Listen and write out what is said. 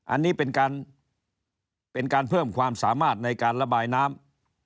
อันนี้เป็นการเป็นการเพิ่มความสามารถในการระบายน้ำ